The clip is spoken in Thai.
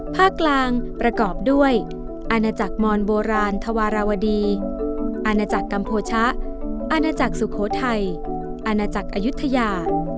ภาคกลางประกอบด้วยอาณาจักรมอนโบราณธวารวดีอาณาจักรกัมโภชะอาณาจักรสุโขทัยอาณาจักรอายุทยา